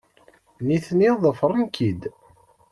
Nitni ḍefren-k-id.